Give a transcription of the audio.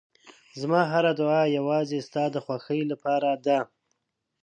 زما هره دعا یوازې ستا د خوښۍ لپاره ده.